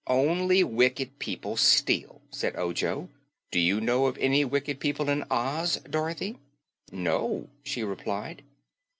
"Only wicked people steal," said Ojo. "Do you know of any wicked people in Oz, Dorothy?" "No," she replied.